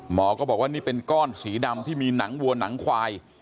หมอก็บอกว่านี่เป็นก้อนสีดำที่มีหนังวัวหนังควาย